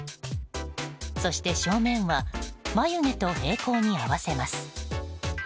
そして正面は眉毛と平行に合わせます。